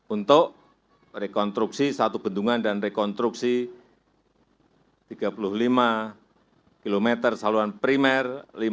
untuk rekonstruksi satu bendungan dan rekonstruksi tiga puluh lima km saluran primer lima puluh